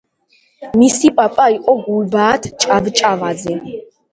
მისი პაპა იყო გულბაათ ჭავჭავაძე.